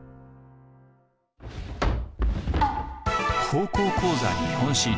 「高校講座日本史」。